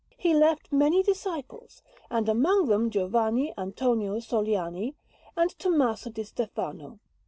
He left many disciples, and among them Giovanni Antonio Sogliani and Tommaso di Stefano.